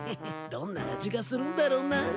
どんな味がするんだろうなぁ。